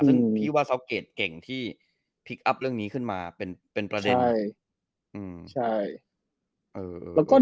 ซึ่งพี่ว่าเขาเกรดเก่งที่พลิกอัพเรื่องนี้ขึ้นมาเป็นประเด็น